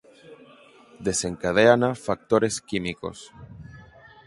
Desencadéana factores químicos.